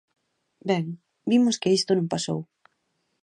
Ben, vimos que isto non pasou.